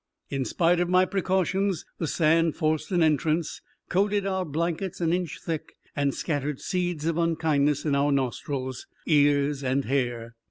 In spite of my precautions the sand forced an entrance, coated our blankets an inch thick, and scattered seeds of unkindness in our nostrils, ears and hair.